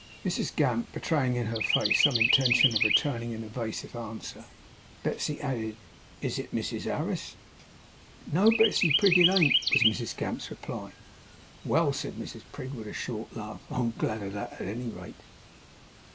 Mrs Gamp betraying in her face some intention of returning an evasive answer, Betsey added: 'IS it Mrs Harris?' 'No, Betsey Prig, it ain't,' was Mrs Gamp's reply. 'Well!' said Mrs Prig, with a short laugh. 'I'm glad of that, at any rate.